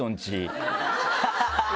ハハハハ！